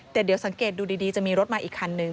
แต่เดี๋ยวสังเกตดูดีจะมีรถมาอีกคันนึง